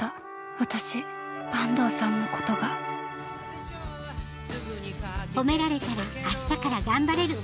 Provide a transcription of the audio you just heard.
私坂東さんのことがほめられたら明日から頑張れる。